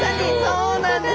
そうなんです。